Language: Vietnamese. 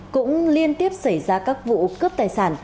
cũng liên tiếp xảy ra các vụ cướp tài sản